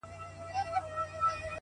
د وجود غړي د هېواد په هديره كي پراته;